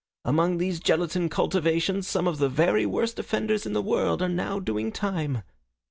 "Among those gelatine cultivations some of the very worst offenders in the world are now doing time."